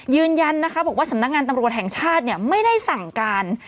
ยืนยันนะคะบอกว่าสำนักงานตำรวจแห่งชาติไม่ได้สั่งการ